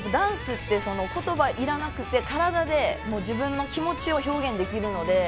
ダンスって言葉がいらなくて、体で自分の気持ちを表現できる。